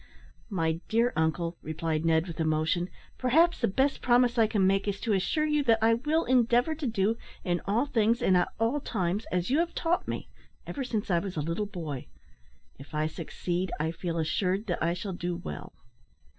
"My dear uncle," replied Ned, with emotion, "perhaps the best promise I can make is to assure you that I will endeavour to do, in all things and at all times, as you have taught me, ever since I was a little boy. If I succeed, I feel assured that I shall do well."